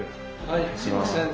はいすいません。